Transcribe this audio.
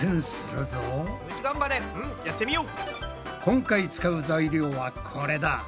今回使う材料はこれだ。